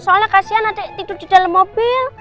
soalnya kasihan ada yang tidur di dalam mobil